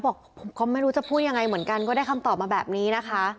บอกผมก็ไม่รู้จะพูดยังไงเหมือนกันก็ได้คำตอบมาแบบนี้นะคะ